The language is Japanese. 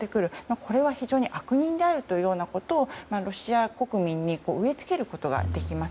これは悪人であるということをロシア国民に植え付けることができます。